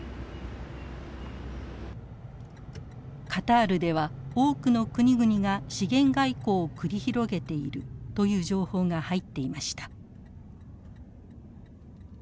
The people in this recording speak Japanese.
カタールでは多くの国々が資源外交を繰り広げているという情報が入っていました。